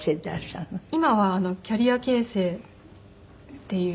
今はキャリア形成っていう。